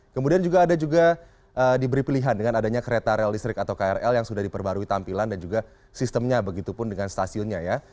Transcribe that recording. kemudian juga ada juga diberi pilihan dengan adanya kereta rel listrik atau krl yang sudah diperbarui tampilan dan juga sistemnya begitu pun dengan stasiunnya ya